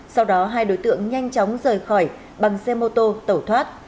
sau đó hai đối tượng nhanh chóng rời khỏi bằng xe mô tô tẩu thoát